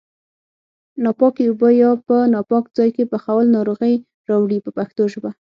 ناپاکې اوبه یا په ناپاک ځای کې پخول ناروغۍ راوړي په پښتو ژبه.